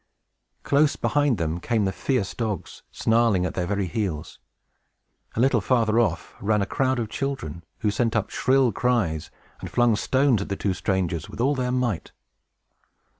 Close behind them came the fierce dogs, snarling at their very heels. A little farther off, ran a crowd of children, who sent up shrill cries, and flung stones at the two strangers, with all their might.